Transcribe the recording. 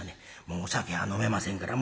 もうお酒は飲めませんから。